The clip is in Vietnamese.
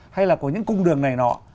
hay là của những cung đường này nọ